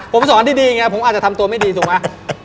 ผมสอนที่ดีอย่างนี้ผมอาจจะทำตัวไม่ดีถูกไหม